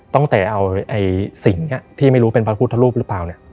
ตั้งแต่เอาสิ่งนี้ที่ไม่รู้เป็นพระพุทธรูปหรือเปล่าเนี่ย